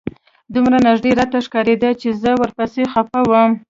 دومره نژدې راته ښکارېده چې زه ورپسې خپه وم.